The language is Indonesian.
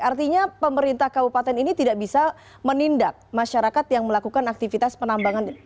artinya pemerintah kabupaten ini tidak bisa menindak masyarakat yang melakukan aktivitas penambangan